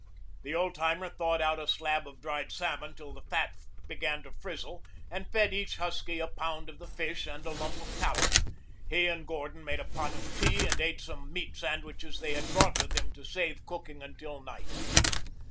The old timer thawed out a slab of dried salmon till the fat began to frizzle and fed each husky a pound of the fish and a lump of tallow. He and Gordon made a pot of tea and ate some meat sandwiches they had brought with them to save cooking until night.